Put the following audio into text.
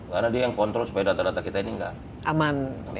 karena dia yang kontrol supaya data data kita ini gak aman